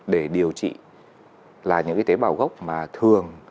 để điều trị là những tế bào gốc mà thường